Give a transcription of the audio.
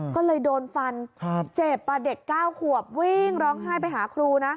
ก็เลยโดนฟันเจ็บเด็ก๙ขวบวิ่งร้องไห้ไปหาครูนะ